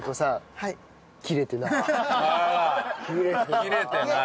あら切れてない。